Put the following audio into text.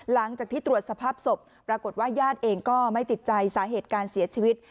หลังจากที่ตรวจสภาพศพปรากฏว่าญาติเองก็ไม่ติดใจสาเหตุการเสียชีวิต